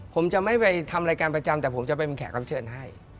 ผมจะไม่ไปทำรายการประจำแต่ผมจะเป็นแขกรับเชิญให้